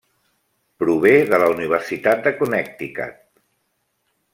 Prové de la Universitat de Connecticut.